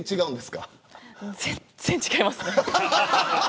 全然違います。